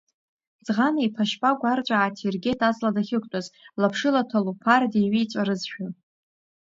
Ӡӷана иԥа Шьпагә арҵәаа ааҭиргеит, аҵла дахьықәтәаз, лаԥшыла Ҭалуԥар деиҩиҵәарызшәа.